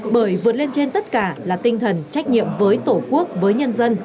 bởi vượt lên trên tất cả là tinh thần trách nhiệm với tổ quốc với nhân dân